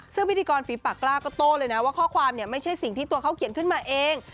ซึ่งพิธีกรฝีปากกล้าก็โต้เลยนะว่าข้อความเนี่ยไม่ใช่สิ่งที่ตัวเขาเขียนขึ้นมาเอง